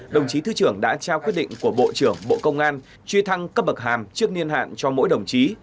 đồng chí thứ trưởng đã trao quyết định của bộ trưởng bộ công an truy thăng cấp bậc hàm trước niên hạn cho mỗi đồng chí